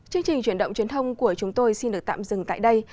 chương trình chuyển động truyền thông của chúng tôi xin được tạm dừng tại đây